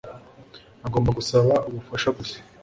Agomba gusaba ubufasha gusa